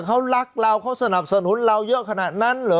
เขารักเราเขาสนับสนุนเราเยอะขนาดนั้นเหรอ